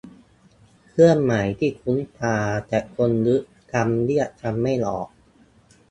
เครื่องหมายที่คุ้นตาแต่คนนึกคำเรียกกันไม่ออก